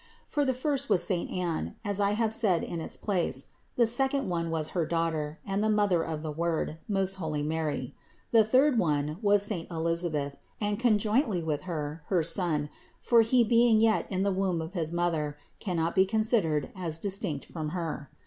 For the first was saint Anne, as I have said in its place; the second one was her Daughter and the Mother of the Word, most holy Mary; the third one was saint Elisa beth, and conjointly with Her, her son, for he being yet in the womb of his mother, cannot be considered as dis tinct from her.